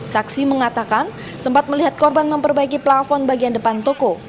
saksi mengatakan sempat melihat korban memperbaiki plafon bagian depan toko